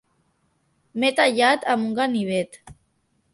M'he tallat amb un ganivet.